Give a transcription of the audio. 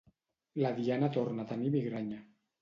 La Diana torna a tenir migranya.